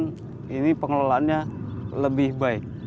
untuk menjadikan ini pengelolaannya lebih baik